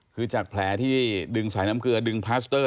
คือจากแผลที่ดึงสายน้ำเกลือดึงพลาสเตอร์